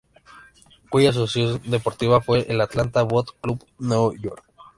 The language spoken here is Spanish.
Cuya asociación deportiva fue el "Atalanta Boat Club, New York".